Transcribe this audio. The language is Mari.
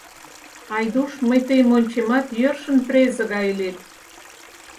Айдуш, мый тыйым ончемат, йӧршын презе гай илет.